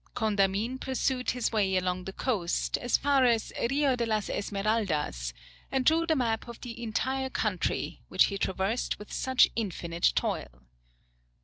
Condamine pursued his way along the coast, as far as Rio de las Esmeraldas, and drew the map of the entire country, which he traversed with such infinite toil.